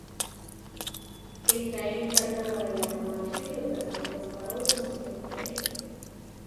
اسرائیلو ته د یرغمل شویو کسانو د سپارلو مسؤلیت لري.